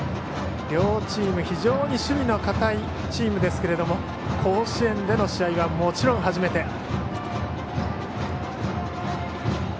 両チーム非常に守備の堅いチームですが甲子園での試合はもちろん初めて。